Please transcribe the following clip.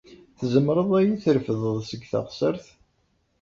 Tzemreḍ ad iyi-trefdeḍ seg teɣsert?